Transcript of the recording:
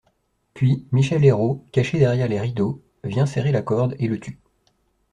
Puis Michel Eyraud, caché derrière les rideaux, vient serrer la corde et le tue.